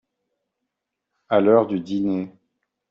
À l'heure du dîner.